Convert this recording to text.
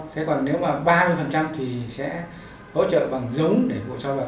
thế còn nếu mà ba mươi thì sẽ hỗ trợ bằng dống để bộ sau bà con tiếp tục tá sản xuất bằng cái dống này hoặc cái dống khác